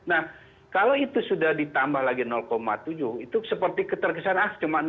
nah kalau itu sudah ditambah lagi tujuh itu seperti keterkesan ah cuma enam